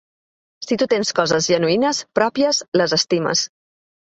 Si tu tens coses genuïnes, pròpies, les estimes.